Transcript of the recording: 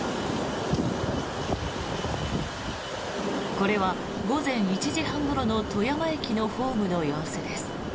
これは午前１時半ごろの富山駅のホームの様子です。